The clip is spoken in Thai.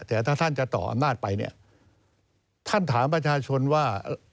แต่ถ้าท่านจะต่ออำนาจไปเนี่ยท่านถามประชาชนว่า